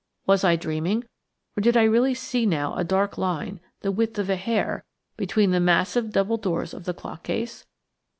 Was I dreaming, or did I really see now a dark line–the width of a hair–between the massive double doors of the clock case?